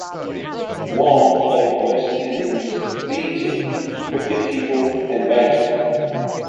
Wong played West Indies ‘B’ team wicketkeeper and batsman.